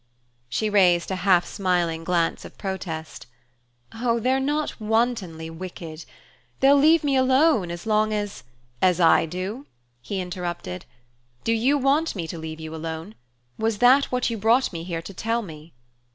She raised a half smiling glance of protest. "Oh, they're not wantonly wicked. They'll leave me alone as long as " "As I do?" he interrupted. "Do you want me to leave you alone? Was that what you brought me here to tell me?"